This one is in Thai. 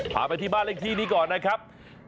พาไปที่บ้านเลขที่นี้ก่อนนะครับ